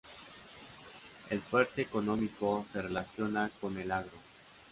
El fuerte económico se relaciona con el agro.